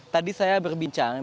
tadi saya berbincang bersama